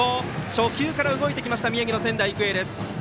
初球から動いてきた宮城の仙台育英です。